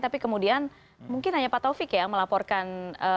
tapi kemudian mungkin hanya patofik yang melaporkan